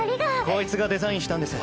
こいつがデザインしたんです。